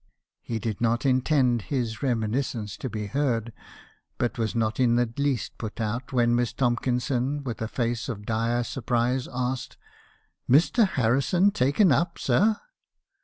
"He did not intend this reminiscence to be heard, but was not in the least put out when Miss Tomkinson, with a face of dire surprise , asked, " 'Mr. Harrison taken up , sir?'